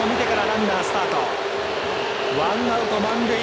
ワンアウト、満塁。